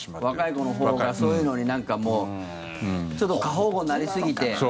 若い子のほうがそういうのになんかもうちょっと過保護になりすぎて。